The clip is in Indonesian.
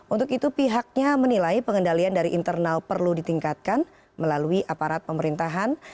untuk itu pihaknya menilai pengendalian dari internal perlu ditingkatkan melalui aparat pemerintahan